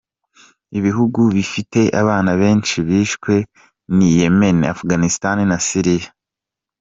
Ibihugu bifite abana benshi bishwe ni Ymen, Afghanistan na Syria.